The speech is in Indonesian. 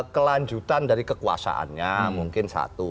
kelanjutan dari kekuasaannya mungkin satu